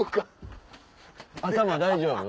頭大丈夫？